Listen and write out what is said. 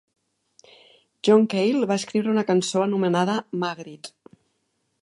John Cale va escriure una cançó anomenada "Magritte".